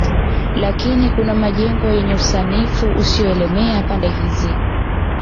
Lakini kuna majengo yenye usanifu usioelemea pande hizi